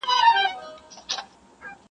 د ځان په ویر یم غلیمانو ته اجل نه یمه -